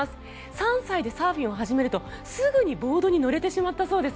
３歳でサーフィンを始めるとすぐにボードに乗れてしまったそうです。